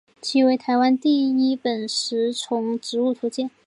其为台湾第一本食虫植物图鉴。